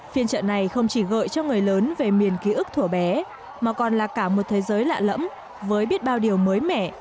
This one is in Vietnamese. phiên trợ này không chỉ gợi cho người lớn về miền ký ức thổ bé mà còn là cả một thế giới lạ lẫm với biết bao điều mới mẻ